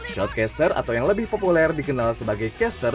shortcaster atau yang lebih populer dikenal sebagai caster